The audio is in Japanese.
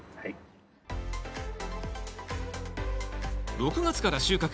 ６月から収穫。